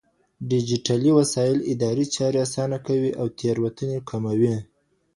ډيجيټلي وسايل اداري چارې آسانه کوي او تېروتنې کموي.